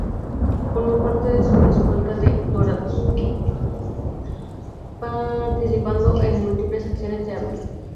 Formó parte de su escolta de ""Dorados"", participando en múltiples acciones de armas.